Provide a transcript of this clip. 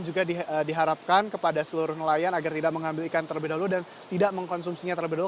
juga diharapkan kepada seluruh nelayan agar tidak mengambil ikan terlebih dahulu dan tidak mengkonsumsinya terlebih dahulu